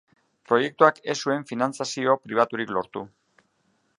Proiektuak ez zuen finantzazio pribaturik lortu.